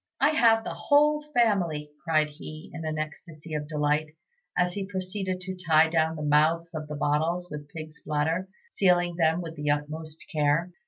"I have the whole family," cried he, in an ecstasy of delight; as he proceeded to tie down the mouths of the bottles with pig's bladder, sealing them with the utmost care.